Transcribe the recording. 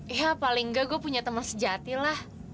ya paling gak gue punya teman sejati lah